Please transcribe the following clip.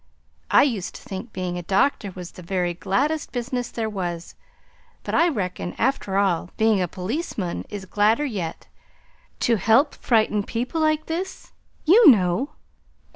I used to think being a doctor was the very gladdest business there was, but I reckon, after all, being a policeman is gladder yet to help frightened people like this, you know.